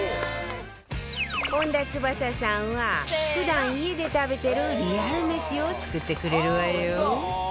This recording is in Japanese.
本田翼さんは普段家で食べてるリアル飯を作ってくれるわよ